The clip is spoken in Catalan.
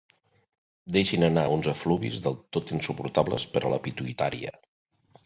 Deixin anar uns efluvis del tot insuportables per a la pituïtària.